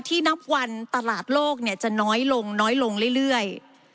นับวันตลาดโลกจะน้อยลงน้อยลงเรื่อย